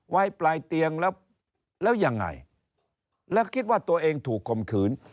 ไว้ปลายเตียงแล้วแล้วยังไงแล้วคิดว่าตัวเองถูกคมขืน